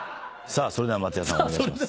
それでは松也さんお願いします。